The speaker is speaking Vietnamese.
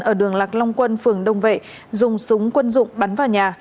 ở đường lạc long quân phường đông vệ dùng súng quân dụng bắn vào nhà